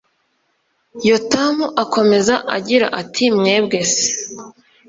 yotamu akomeza, agira ati mwebwe se